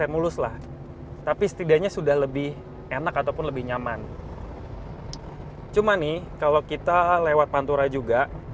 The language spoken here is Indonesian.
mulus lah tapi setidaknya sudah lebih enak ataupun lebih nyaman cuma nih kalau kita lewat pantura juga